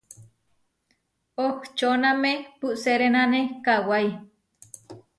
Ohčóname puʼserénane kawái.